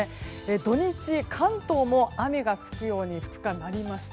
土日、関東も雨がつくように２日間、なりました。